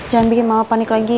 jangan bikin mama panik lagi